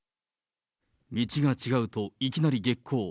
道が違うといきなり激高。